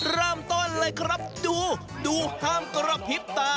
เริ่มต้นเลยครับดูดูห้ามกระพริบตา